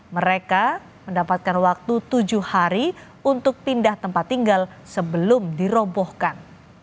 mereka mendapatkan waktu tujuh hari untuk pindah tempat tinggal sebelum dirobohkan